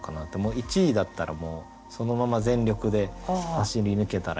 １位だったらもうそのまま全力で走り抜けたらいいのか。